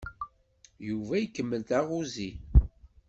Yuba ikemmel taɣuzi.